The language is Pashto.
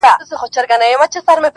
مور مې پۀ دواړه لاسه شپه وه موسله وهله,